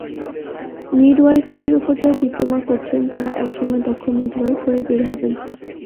মিডওয়াইফারির ওপর যাঁরা ডিপ্লোমা করছেন, তাঁরা একসময় দক্ষ মিডওয়াইফ হয়ে বের হবেন।